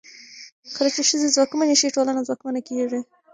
کله چې ښځې ځواکمنې شي، ټولنه ځواکمنه کېږي.